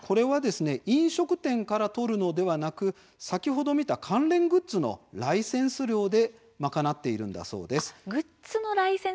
飲食店から取るのではなく、先ほど見た関連グッズのライセンス料で賄っているのだそうです。